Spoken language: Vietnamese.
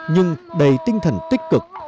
nhưng đầy tinh thần tích cực